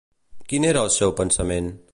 Quin era el seu pensament?